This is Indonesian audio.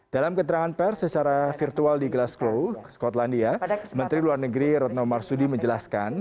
dalam keterangan pers secara virtual di glasgow skotlandia menteri luar negeri retno marsudi menjelaskan